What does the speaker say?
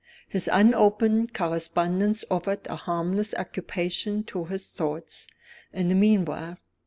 His unopened correspondence offered a harmless occupation to his thoughts, in the meanwhile.